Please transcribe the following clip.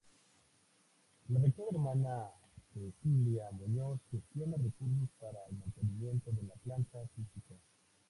La Rectora Hermana Cecilia Muñoz gestiona recursos para el mantenimiento de la planta física.